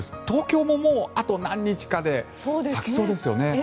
東京ももうあと何日かで咲きそうですよね。